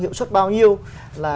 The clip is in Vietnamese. nó giúp tôi tăng hiệu quả